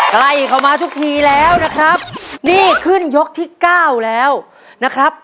ใกล้เข้ามาทุกทีแล้วนะครับนี่ขึ้นยกที่เก้าแล้วนะครับ